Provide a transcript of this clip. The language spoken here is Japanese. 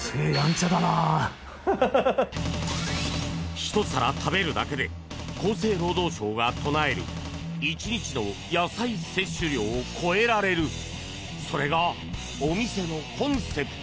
ひと皿食べるだけで厚生労働省が唱える１日の野菜摂取量を超えられるそれがお店のコンセプト。